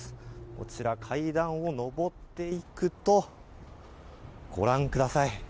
こちら、階段を上っていくとご覧ください。